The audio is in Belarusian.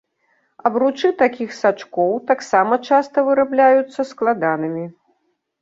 Абручы такіх сачкоў таксама часта вырабляюцца складанымі.